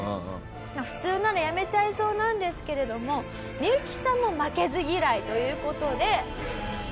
普通ならやめちゃいそうなんですけれどもミユキさんも負けず嫌いという事で。